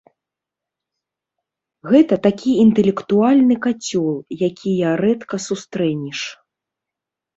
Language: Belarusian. Гэта такі інтэлектуальны кацёл, якія рэдка сустрэнеш.